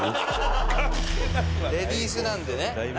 「レディースなんでね」